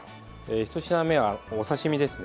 １品目はお刺身ですね。